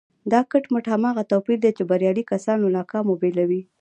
دا کټ مټ هماغه توپير دی چې بريالي کسان له ناکامو بېلوي.